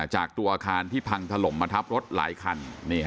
ตัวอาคารที่พังถล่มมาทับรถหลายคัน